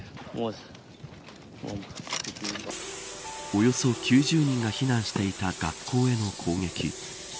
およそ９０人が避難していた学校への攻撃。